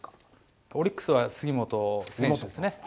オリックスは杉本選手ですね。